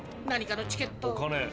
何かのチケット。